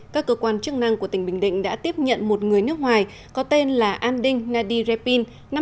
các cơ quan chức năng của tỉnh bình định đã tiếp nhận một người nước ngoài có tên là anding nadirepine